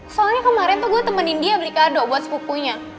soalnya kemarindzie temenin dia beli kado buat sepupunya